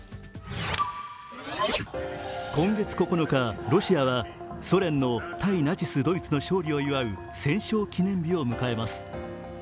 今月９日、ロシアはソ連の対ナチス・ドイツの勝利を祝う戦勝記念日を迎えます。